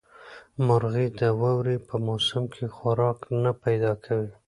مرغۍ د واورې په موسم کې خوراک نه پیدا کوي.